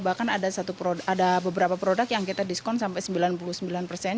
bahkan ada beberapa produk yang kita diskon sampai sembilan puluh sembilan persen